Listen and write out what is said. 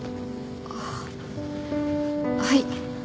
あっはい。